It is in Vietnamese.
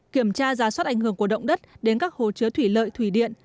kiểm tra giả soát ảnh hưởng của động đất đến các hồ chứa thủy lợi thủy điện